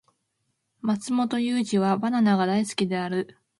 マツモトユウジはバナナが大好きである